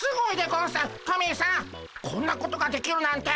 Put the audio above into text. こんなことができるなんて。